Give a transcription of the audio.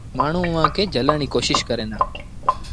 مآڻهوٚݩ اُئآݩ کي جھلن ري ڪوشيٚش ڪريݩ دآ ۔